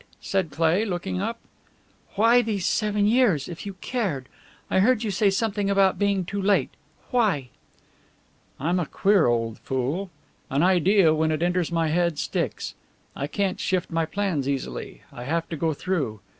said Cleigh, looking up. "Why these seven years if you cared? I heard you say something about being too late. Why?" "I'm a queer old fool. An idea, when it enters my head, sticks. I can't shift my plans easily; I have to go through.